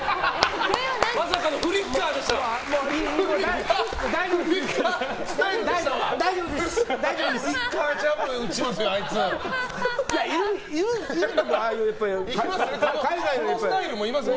まさかのフリッカースタイルでした。